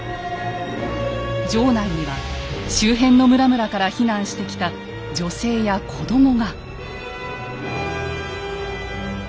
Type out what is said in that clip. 城内には周辺の村々から避難してきた女性や子どもが。